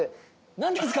何ですか？